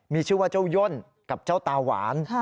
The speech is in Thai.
มีชื่อว่าเจ้าย่นกับเจ้าตาหวาน